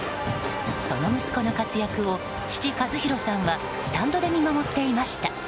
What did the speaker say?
その息子の活躍を父・和博さんはスタンドで見守っていました。